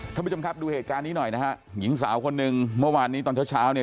ท่านผู้ชมครับดูเหตุการณ์นี้หน่อยนะฮะหญิงสาวคนหนึ่งเมื่อวานนี้ตอนเช้าเช้าเนี่ย